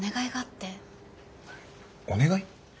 お願い？